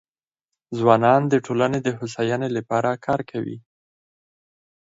ځوانان د ټولنې د هوساینې لپاره کار کوي.